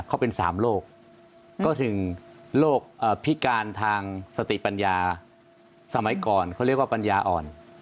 เขาเป็น๓โรคก็ถึงโรคพิการทางสติปัญญาสมัยก่อนเขาเรียกว่าปัญญาอ่อน